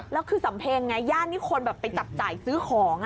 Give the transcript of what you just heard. แล้วคือสำเพ็งไงย่านนี้คนแบบไปจับจ่ายซื้อของ